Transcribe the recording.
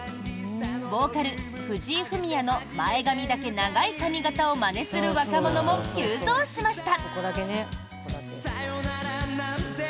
ボーカル、藤井フミヤの前髪だけ長い髪形をまねする若者も急増しました。